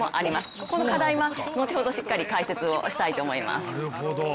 ここの課題は後ほどしっかり解説したいと思います。